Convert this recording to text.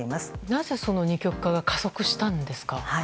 なぜその二極化が加速したんですか。